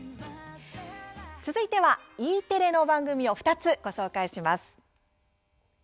続いては、Ｅテレの番組を２つご紹介します。